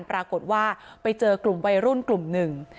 ปรากฏว่าไปเจอกลุ่มวัยรุ่นกลุ่มหนึ่ง